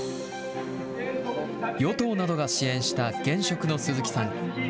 与党などが支援した現職の鈴木さん。